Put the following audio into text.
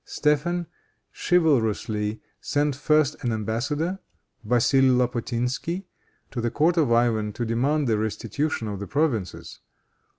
Stephen chivalrously sent first an embassador, Basil Lapotinsky, to the court of Ivan, to demand the restitution of the provinces.